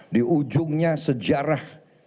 di ujungnya sejarah